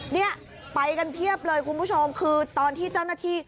เนี่ยไปกันเพียบเลยคุณผู้ชมคือตอนที่เจ้าหน้าที่